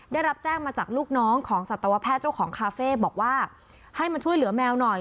ได้รับแจ้งมาจากลูกน้องของสัตวแพทย์เจ้าของคาเฟ่บอกว่าให้มาช่วยเหลือแมวหน่อย